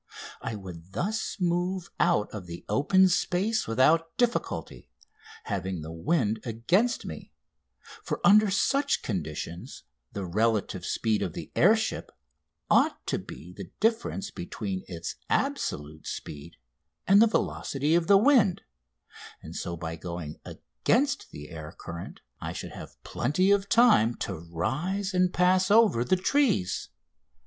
I would thus move out of the open space without difficulty, having the wind against me for under such conditions the relative speed of the air ship ought to be the difference between its absolute speed and the velocity of the wind and so by going against the air current I should have plenty of time to rise and pass over the trees.